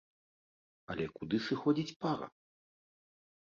Але куды сыходзіць пара?